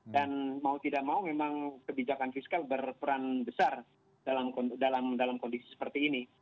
dan mau tidak mau memang kebijakan fiskal berperan besar dalam kondisi seperti ini